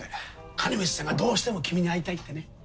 金光さんがどうしても君に会いたいってね。